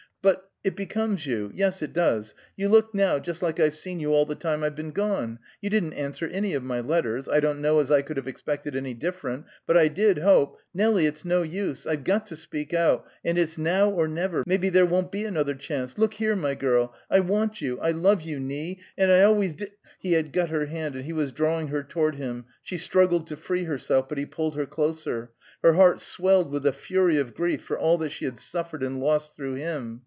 But it becomes you. Yes, it does! You look now just like I've seen you all the time I've been gone! You didn't answer any of my letters; I don't know as I could have expected any different. But I did hope Nelie, it's no use! I've got to speak out, and it's now or never; maybe there won't be another chance. Look here, my girl! I want you I love you, Nie! and I always d " He had got her hand, and he was drawing her toward him. She struggled to free herself, but he pulled her closer. Her heart swelled with a fury of grief for all she had suffered and lost through him.